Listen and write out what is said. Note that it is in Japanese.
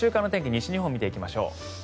西日本見ていきましょう。